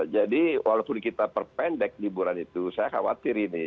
jadi walaupun kita perpendek liburan itu saya khawatir ini